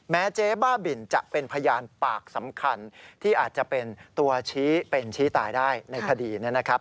เจ๊บ้าบินจะเป็นพยานปากสำคัญที่อาจจะเป็นตัวชี้เป็นชี้ตายได้ในคดีนะครับ